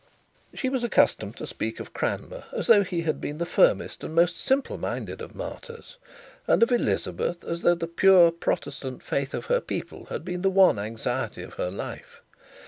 She was accustomed to speak of Cranmer as though he had been the firmest and most simple minded of martyrs, and of Elizabeth as though the pure Protestant faith of her people had been the one anxiety of her life.